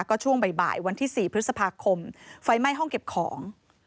ก็ช่วงบ่ายวันที่๔พฤษภาคมไฟไหม้ห้องเก็บของ